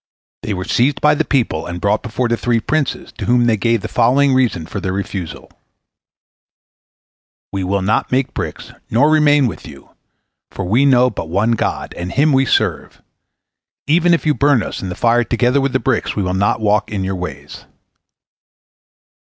They were seized by the people, and brought before the three princes, to whom they gave the following reason for their refusal: "We will not make bricks, nor remain with you, for we know but one God, and Him we serve; even if you burn us in the fire together with the bricks, we will not walk in your ways."